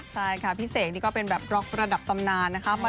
ใช่ค่ะพี่เสกนี่ก็เป็นแบบร็อกระดับตำนานนะคะ